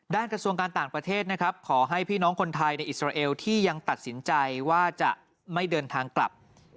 กระทรวงการต่างประเทศนะครับขอให้พี่น้องคนไทยในอิสราเอลที่ยังตัดสินใจว่าจะไม่เดินทางกลับ